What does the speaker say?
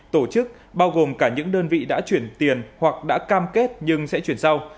tổ chức bao gồm cả những đơn vị đã chuyển tiền hoặc đã cam kết nhưng sẽ chuyển giao